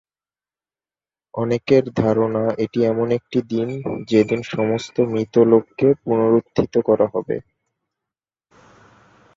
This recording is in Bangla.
অনেকের ধারণা, এটি এমন একটি দিন যেদিন সমস্ত মৃত লোককে পুনরুত্থিত করা হবে।